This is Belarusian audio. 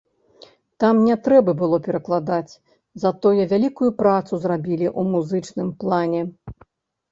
Там не трэба было перакладаць, затое вялікую працу зрабілі ў музычным плане.